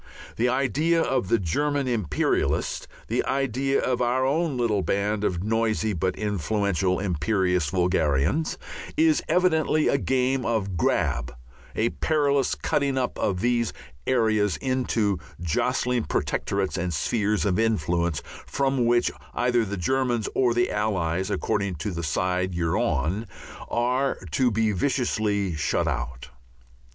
The idea of the German imperialist, the idea of our own little band of noisy but influential imperialist vulgarians, is evidently a game of grab, a perilous cutting up of these areas into jostling protectorates and spheres of influence, from which either the Germans or the Allies (according to the side you are on) are to be viciously shut out.